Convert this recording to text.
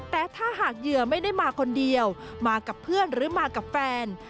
แต่ถ้าหากเหยื่อไม่ได้มาคนเดียวมากับเพื่อนหรือมากับแฟน